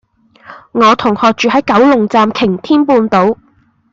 我同學住喺九龍站擎天半島